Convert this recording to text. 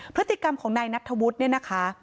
พฤติกรรมของนายนัทธวุฒิเนี่ยนะคะ